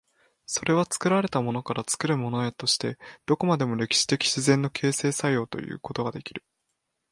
それは作られたものから作るものへとして、どこまでも歴史的自然の形成作用ということができる。